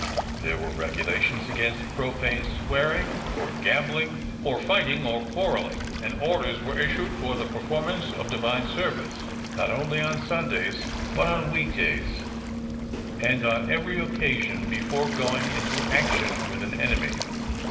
There were regulations against profane swearing, or gambling, or fighting, or quarrelling; and orders were issued for the performance of Divine Service, not only on Sundays, but on weekdays, and on every occasion before going into action with an enemy.